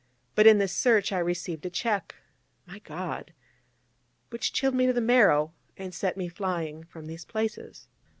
But in this search I received a check, my God, which chilled me to the marrow, and set me flying from these places.